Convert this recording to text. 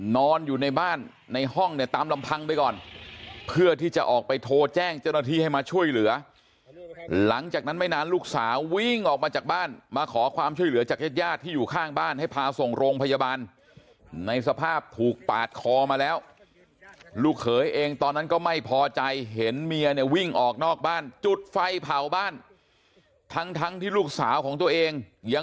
นอนอยู่ในบ้านในห้องเนี่ยตามลำพังไปก่อนเพื่อที่จะออกไปโทรแจ้งเจ้าหน้าที่ให้มาช่วยเหลือหลังจากนั้นไม่นานลูกสาววิ่งออกมาจากบ้านมาขอความช่วยเหลือจากญาติญาติที่อยู่ข้างบ้านให้พาส่งโรงพยาบาลในสภาพถูกปาดคอมาแล้วลูกเขยเองตอนนั้นก็ไม่พอใจเห็นเมียเนี่ยวิ่งออกนอกบ้านจุดไฟเผาบ้านทั้งทั้งที่ลูกสาวของตัวเองยัง